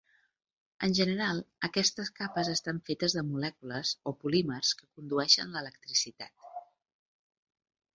En general aquestes capes estan fetes de molècules o polímers que condueixen l'electricitat.